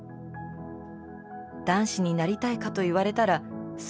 男子になりたいかといわれたらそうじゃない。